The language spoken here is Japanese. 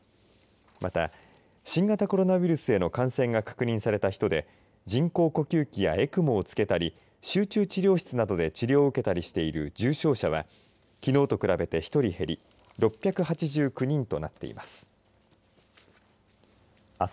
また新型コロナウイルスへの感染が確認された人で人工呼吸器やＥＣＭＯをつけたり集中治療室などで治療を受けたりしている重症者はきのうと比べて１人減り６８９人となっています。